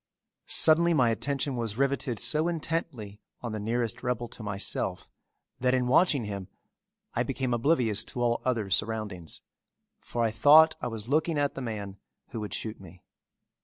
Suddenly my attention was riveted so intently on the nearest rebel to myself that in watching him I became oblivious to all other surroundings, for I thought I was looking at the man who would shoot me.